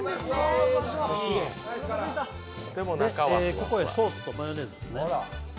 ここにソースとマヨネーズですね。